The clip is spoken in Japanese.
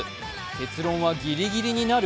結論はギリギリになる？